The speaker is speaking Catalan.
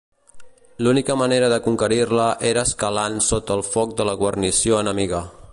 L'única manera de conquerir-la era escalant sota el foc de la guarnició enemiga.